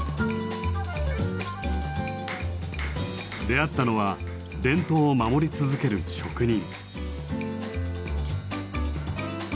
出会ったのは伝統を守り続ける職人。